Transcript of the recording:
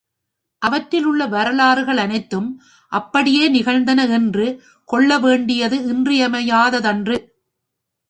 அவற்றிலுள்ள வரலாறுகள் அனைத்தும் அப்படியே நிகழ்ந்தன என்று கொள்ள வேண்டியது இன்றியமையாததன்று.